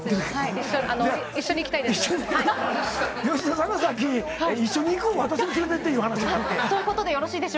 一緒に行きたいです。